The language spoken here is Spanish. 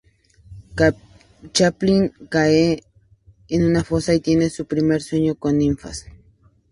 Chaplin cae en una fosa y tiene su primer sueño con ninfas.